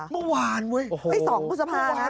เมื่อไหร่หว่านเว้อูไอ้สองภูษภานะ